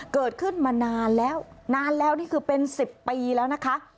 เกิดขึ้นมานานแล้วนานแล้วนี่คือเป็น๑๐ปีแล้วนะคะ